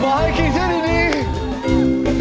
มาให้กินเท่านี้ดี